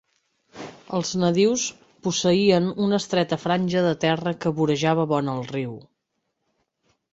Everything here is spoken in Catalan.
Els nadius posseïen una estreta franja de terra que vorejava bona al riu.